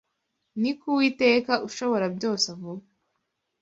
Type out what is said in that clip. Ni ko Uwiteka ushoborabyose avuga